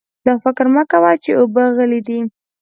دا فکر مه کوه چې اوبه غلې دي.